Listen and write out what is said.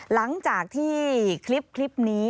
หลังจากที่คลิปนี้